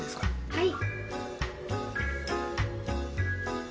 はい。